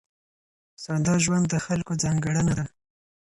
ساده ژوند د خلکو ځانګړنه ده.